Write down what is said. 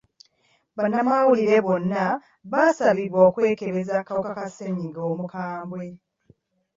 Bannamawulire bonna baasabibwa okwekebeza akawuka ka ssenyiga omukambwe.